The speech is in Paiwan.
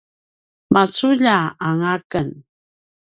maculja anga ken